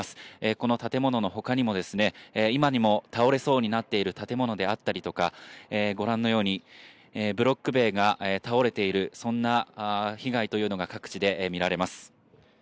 この建物の他にもですね、今にも倒れそうになっている建物があったりとか、ご覧のようにブロック塀が倒れている、そんな被害というのが各地で見られます。